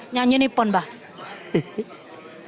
nyanyi ini pun mbak